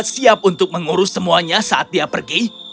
siap untuk mengurus semuanya saat dia pergi